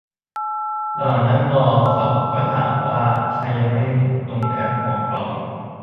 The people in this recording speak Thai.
ระหว่างนั่งรอเขาก็ถามว่าใครยังไม่ลงแอปหมอพร้อม